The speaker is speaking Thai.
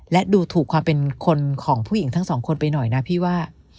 และดูถูกความเป็นคนของผู้หญิงทั้งสองคนไปหน่อยนะพี่ว่า